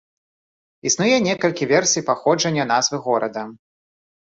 Існуе некалькі версій паходжання назвы горада.